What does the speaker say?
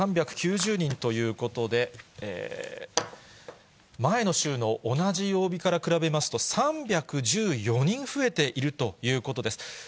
３９０人ということで、前の週の同じ曜日から比べますと、３１４人増えているということです。